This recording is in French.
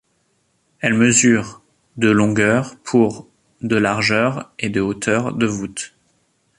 Elle mesure de longueur pour de largeur et de hauteur de voûtes.